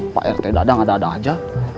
pak rt dadang ada ada aja